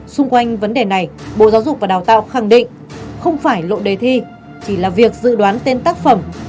xung quanh vấn đề này bộ giáo dục và đào tạo khẳng định không phải lộ đề thi chỉ là việc dự đoán tên tác phẩm